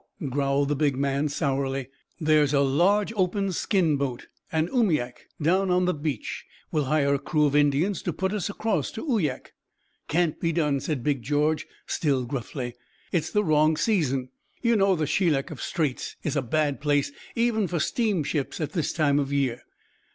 growled the big man, sourly. "There's a large open skin boat, an oomiak, down on the beach. We'll hire a crew of Indians to put us across to Uyak." "Can't be done," said Big George, still gruffly. "It's the wrong season. You know the Shelikof Straits is a bad place even for steamships at this time of year.